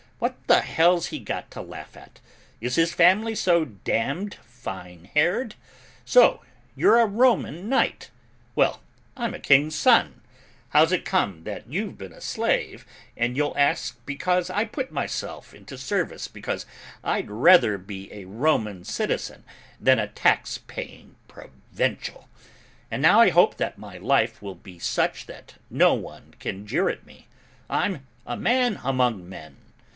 What the hell's he got to laugh at? Is his family so damned fine haired? So you're a Roman knight! Well, I'm a king's son! How's it come that you've been a slave, you'll ask because I put myself into service because I'd rather be a Roman citizen than a tax paying provincial. And now I hope that my life will be such that no one can jeer at me. I'm a man among men!